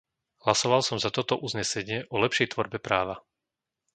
Hlasoval som za toto uznesenie o lepšej tvorbe práva.